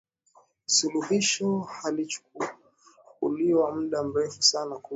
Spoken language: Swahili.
suluhisho halikuchukua muda mrefu sana kuja